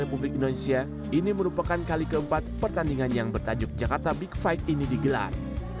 republik indonesia ini merupakan kali keempat pertandingan yang bertajuk jakarta big fight ini digelar